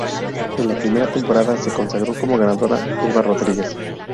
En la primera temporada se consagró como ganadora Elba Rodríguez.